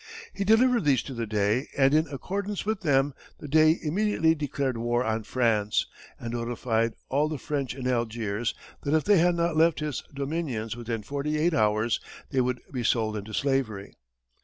He delivered these to the Dey, and in accordance with them, the Dey immediately declared war on France, and notified all the French in Algiers that if they had not left his dominions within forty eight hours, they would be sold into slavery.